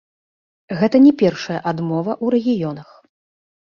Гэта не першая адмова ў рэгіёнах.